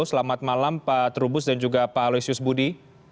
selamat malam pak trubus dan juga pak aloysius budi